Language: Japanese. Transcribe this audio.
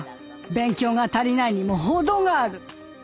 勉強が足りないにも程がある。